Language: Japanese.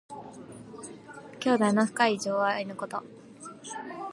兄弟の深い情愛のこと。